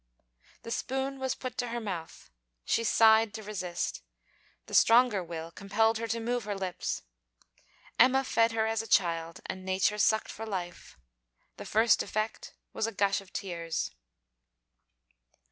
The spoon was put to her mouth. She sighed to resist. The stronger will compelled her to move her lips. Emma fed her as a child, and nature sucked for life. The first effect was a gush of tears.